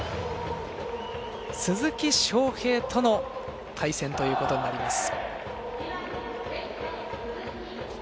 鈴木将平との対戦ということになります。